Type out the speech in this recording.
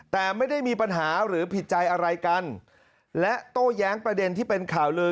แต่ไม่ได้มีปัญหาหรือผิดใจอะไรกันและโต้แย้งประเด็นที่เป็นข่าวลือ